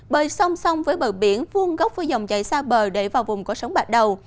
bởi song song với bờ biển vuông gốc với dòng chảy xa bờ để vào vùng có sóng bạc đầu